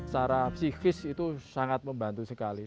secara psikis itu sangat membantu sekali